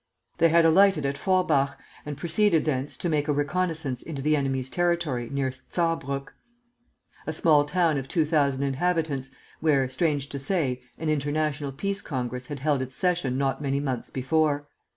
They had alighted at Forbach, and proceeded thence to make a reconnaissance into the enemy's territory near Saarbrück, a small town of two thousand inhabitants, where, strange to say, an International Peace Congress had held its session not many months before.